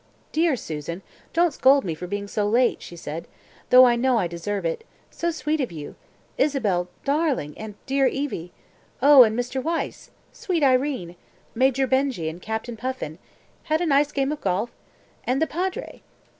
"Dear Susan, don't scold me for being so late," she said, "though I know I deserve it. So sweet of you! Isabel darling and dear Evie! Oh, and Mr. Wyse! Sweet Irene! Major Benjy and Captain Puffin! Had a nice game of golf? And the Padre!